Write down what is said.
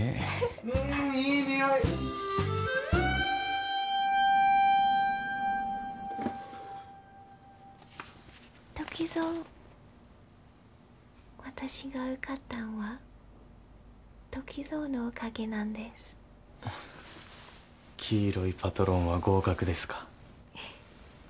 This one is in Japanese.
うんいい匂いトクゾ私が受かったんはトクゾのおかげなんです黄色いパトロンは合格ですか？